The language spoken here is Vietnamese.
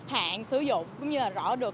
hạn sử dụng cũng như là rõ được